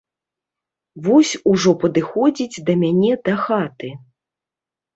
Вось ужо падыходзіць да мяне дахаты.